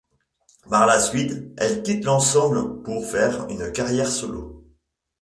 Par la suite, elle quitte l’ensemble pour faire une carrière solo.